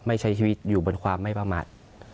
ใช้ชีวิตอยู่บนความไม่ประมาท